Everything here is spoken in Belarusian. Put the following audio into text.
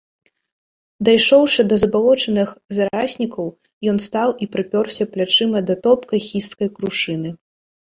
Дайшоўшы да забалочаных зараснікаў, ён стаў і прыпёрся плячыма да топкай хісткай крушыны.